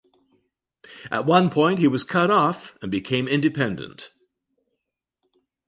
At one point he was cut off and became independent.